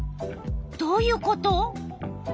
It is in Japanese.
どういうこと？